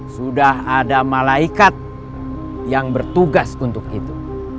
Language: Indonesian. sudah ada malaikat yang bertugas untuk itu